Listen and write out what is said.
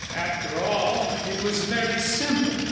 After all, it was very simple.